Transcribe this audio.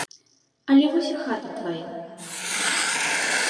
Але вось і хата твая.